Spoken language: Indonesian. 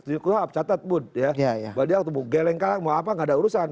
buat dia geleng geleng mau apa gak ada urusan